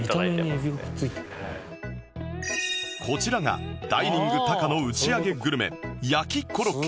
こちらがダイニング貴の打ち上げグルメ焼コロッケ